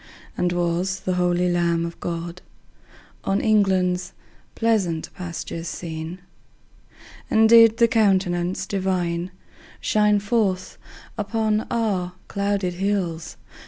And was the holy Lamb of God On England's pleasant pastures seen? And did the Countenance Divine Shine forth upon our clouded hills?